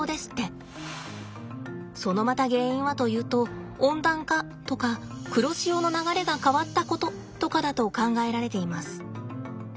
そのまた原因はというと温暖化とか黒潮の流れが変わったこととかだと考えられています。